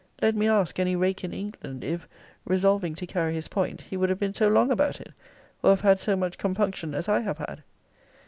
Let me ask any rake in England, if, resolving to carry his point, he would have been so long about it? or have had so much compunction as I have had?